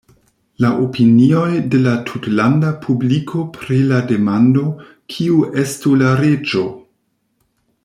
La opinioj de la tutlanda publiko pri la demando "kiu estu la reĝo?